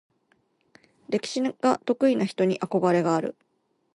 歴史が得意な人に憧れがある。